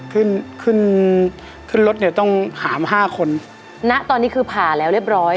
ขึ้นขึ้นรถเนี่ยต้องหามห้าคนณตอนนี้คือผ่าแล้วเรียบร้อย